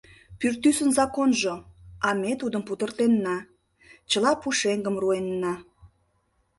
Пӱртӱсын законжо, а ме тудым пудыртенна, чыла пушеҥгым руэнна.